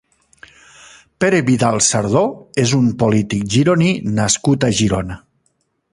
Pere Vidal Sardó és un polític gironí nascut a Girona.